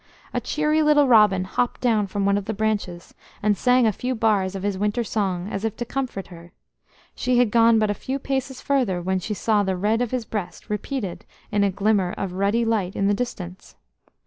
A cheery little robin hopped down from one of the branches, and sang a few bars of his winter song as if to comfort her; she had gone but a few paces further when she saw the red of his breast repeated in a glimmer of ruddy light in the distance.